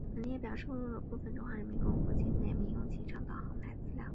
本列表收录了部分中华人民共和国境内民用机场导航台资料。